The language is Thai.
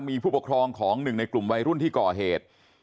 มีผู้ปกครองของหนึ่งในกลุ่มวัยรุ่นที่ก่อเหตุ